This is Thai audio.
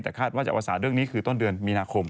แต่คาดว่าจะประสานเรื่องนี้คือต้นเดือนมีนาคม